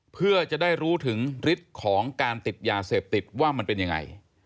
เพื่อจะได้รู้ถึงฤทธิ์ของการติดยาเสพติดว่ามันเป็นยังไง